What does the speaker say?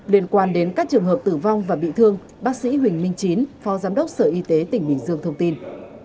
liên quan đến các trường hợp tử vong và bị thương bác sĩ huỳnh minh chính phó giám đốc sở y tế tỉnh bình dương thông tin